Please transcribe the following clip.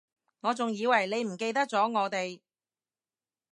我仲以為你唔記得咗我哋